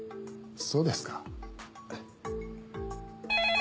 そうですか。